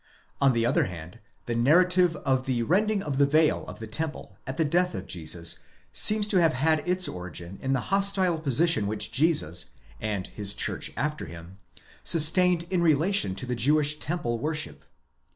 On the other hand, the narrative of the rending of the veil of the temple at the death of Jesus seems to have had its origin in the hostile position which Jesus, and his church after him, sustained in relation to the Jewish temple worship.